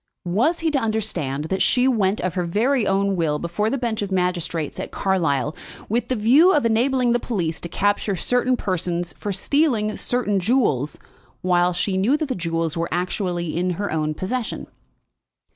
"Was he to understand that she went of her own will before the bench of magistrates at Carlisle, with the view of enabling the police to capture certain persons for stealing certain jewels, while she knew that the jewels were actually in her own possession?"